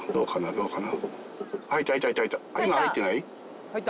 どうかな？